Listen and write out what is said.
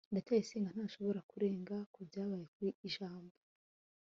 ndacyayisenga ntashobora kurenga kubyabaye kuri jabo